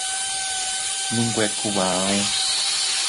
Ndi nwe kub auu.